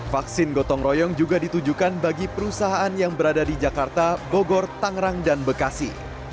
vaksin gotong royong juga ditujukan bagi perusahaan yang berada di jakarta bogor tangerang dan bekasi